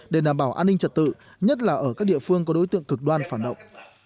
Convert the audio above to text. để đảm bảo an ninh trật tự nhất là ở các địa phương có đối tượng cực đoan phản động